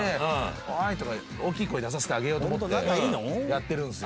「おい！」とか大きい声出させてあげようと思ってやってるんすよ。